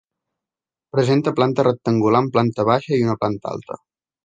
Presenta planta rectangular amb planta baixa i una planta alta.